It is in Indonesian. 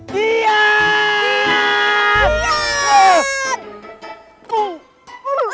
hei kenapa kalian semua mengikuti semua perkataan saya